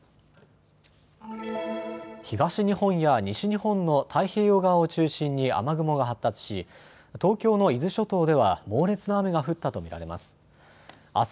東日本や西日本の太平洋側を中心に雨雲が発達し東京の伊豆諸島では猛烈な雨が降ったと見られます。